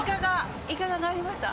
イカが揚がりました？